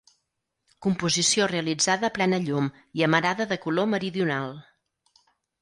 Composició realitzada a plena llum i amarada de color meridional.